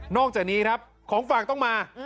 อกจากนี้ครับของฝากต้องมา